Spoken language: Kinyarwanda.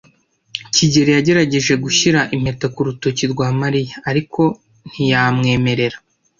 kigeli yagerageje gushyira impeta ku rutoki rwa Mariya, ariko ntiyamwemerera.